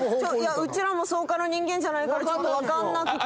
うちらも草加の人間じゃないから、ちょっと分かんなくて。